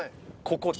ここ。